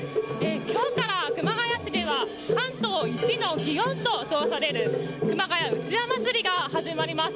今日から熊谷市では関東一の祇園と称される熊谷うちわ祭が始まります。